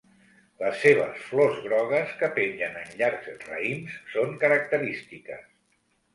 Les seves flors grogues que pengen en llargs raïms són característiques.